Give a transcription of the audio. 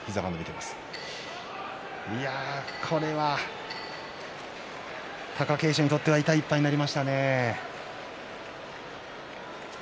いやこれは貴景勝にとっては痛い１敗になりましたね。